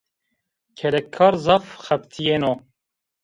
Kelekkar zaf xebitîyeno